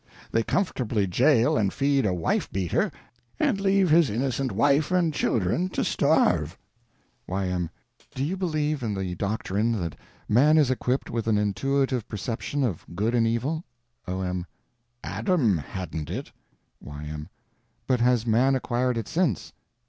They comfortably jail and feed a wife beater, and leave his innocent wife and family to starve. Y.M. Do you believe in the doctrine that man is equipped with an intuitive perception of good and evil? O.M. Adam hadn't it. Y.M. But has man acquired it since?